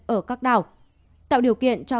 ở các đảo tạo điều kiện cho